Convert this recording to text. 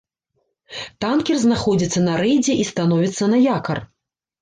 Танкер знаходзіцца на рэйдзе і становіцца на якар.